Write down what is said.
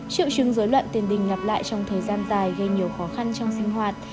triệu chứng dối loạn tiền đình ngập lại trong thời gian dài gây nhiều khó khăn trong sinh hoạt